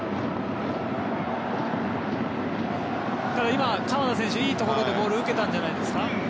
今のプレー鎌田選手、いいところでボールを受けたんじゃないですか。